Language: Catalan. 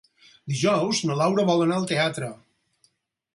Dijous na Laura vol anar al teatre.